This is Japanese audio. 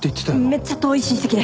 めっちゃ遠い親戚で。